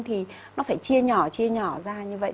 thì nó phải chia nhỏ chia nhỏ ra như vậy